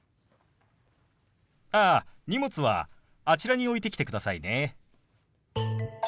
ああ荷物はあちらに置いてきてくださいね。